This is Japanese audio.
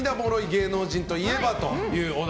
芸能人といえば？というお題。